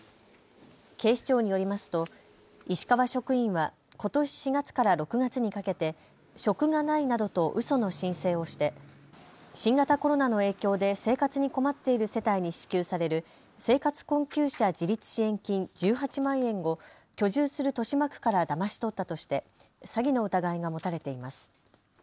警視庁によりますと石川職員はことし４月から６月にかけて職がないなどとうその申請をして新型コロナの影響で生活に困っている世帯に支給される生活困窮者自立支援金１８万円を居住する豊島区からだまし取ったとして詐欺の疑いが持たれています。